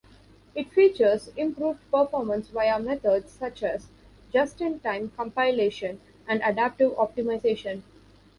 It features improved performance via methods such as just-in-time compilation and adaptive optimization.